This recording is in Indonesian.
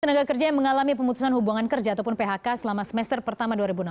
tenaga kerja yang mengalami pemutusan hubungan kerja ataupun phk selama semester pertama dua ribu enam belas